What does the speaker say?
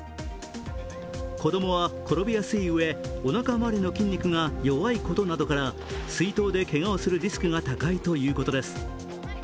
子供は転びやすいうえ、おなか回りの筋肉が弱いことなどから水筒でけがをするリスクが高いということです